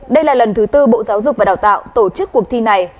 đây là lần thứ tư bộ giáo dục và đào tạo tổ chức cuộc thi này